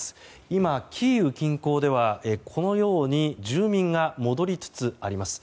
今、キーウ近郊ではこのように住民が戻りつつあります。